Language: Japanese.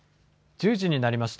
１０時になりました。